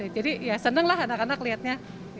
jadi ya seneng lah anak anak liatnya